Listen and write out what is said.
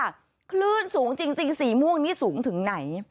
คลื่นสูงจริงสีม่วงนี้สูงถึงไหน